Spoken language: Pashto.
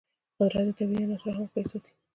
قدرت د طبیعي عناصرو همغږي ساتي.